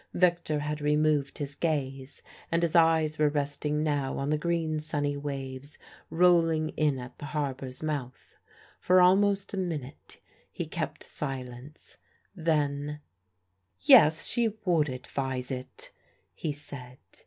Victor had removed his gaze, and his eyes were resting now on the green sunny waves rolling in at the harbour's mouth. For almost a minute he kept silence; then "Yes, she would advise it," he said.